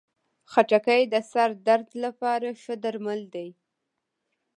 خټکی د سر درد لپاره ښه درمل دی.